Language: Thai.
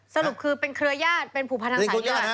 สรุปคือเป็นเครือญาติเป็นผูกพันทางสายเลือด